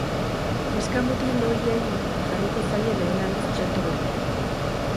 Neska-mutil horiei jarriko zaie lehen aldiz txerto berria.